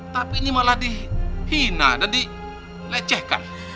tapi ini malah dihina dan dilecehkan